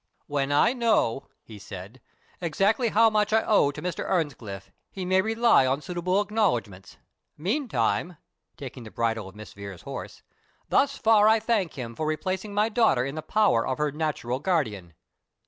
"When I know," he said, "exactly how much I owe to Mr. Earnscliff, he may rely on suitable acknowledgments; meantime," taking the bridle of Miss Vere's horse, "thus far I thank him for replacing my daughter in the power of her natural guardian."